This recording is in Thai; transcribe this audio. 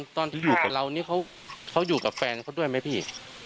ตอนที่อยู่กับเรานี่เขาอยู่กับแฟนเขาด้วยไหมพี่